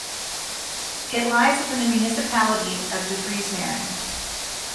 It lies within the municipality of De Friese Meren.